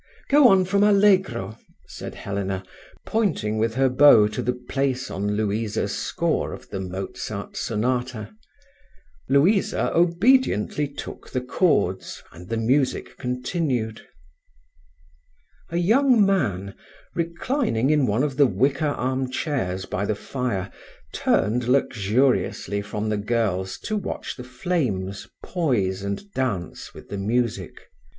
"Go on from Allegro," said Helena, pointing with her bow to the place on Louisa's score of the Mozart sonata. Louisa obediently took the chords, and the music continued. A young man, reclining in one of the wicker arm chairs by the fire, turned luxuriously from the girls to watch the flames poise and dance with the music.